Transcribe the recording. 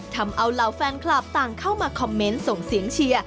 ทำเอาเหล่าแฟนคลับต่างเข้ามาคอมเมนต์ส่งเสียงเชียร์